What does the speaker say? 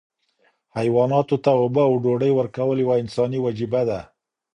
حیواناتو ته اوبه او ډوډۍ ورکول یوه انساني وجیبه ده.